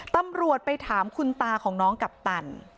ตำรวจไปถามคุณตาของน้องกัปตัน